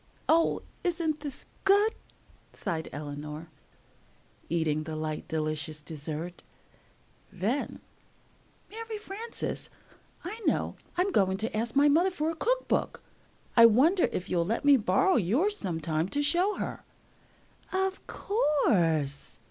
"Oh, isn't this good," sighed Eleanor, eating the light, delicious dessert. Then, "Mary Frances, I know; I'm going to ask my mother for a cook book! I wonder if you'll let me borrow yours some time to show her." "Of course!"